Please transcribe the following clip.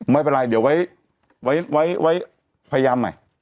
ไม่เป็นไรเดี๋ยวไว้พยายามใหม่